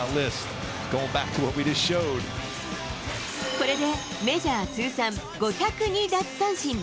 これで、メジャー通算５０２奪三振。